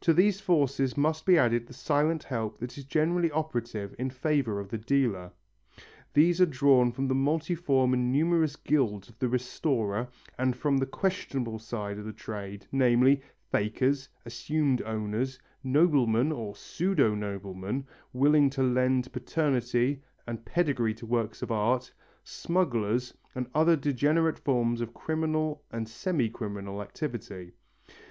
To these forces must be added the silent help that is generally operative in favour of the dealer. These are drawn from the multiform and numerous guilds of the restorer, and from the questionable side of the trade, namely, fakers, assumed owners, noblemen or pseudo noblemen willing to lend paternity and pedigree to works of art, smugglers and other degenerate forms of criminal and semi criminal activity.